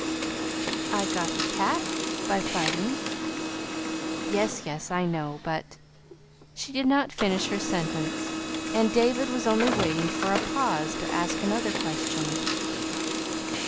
"I got the cat by fighting." "Yes, yes, I know; but " She did not finish her sentence, and David was only waiting for a pause to ask another question.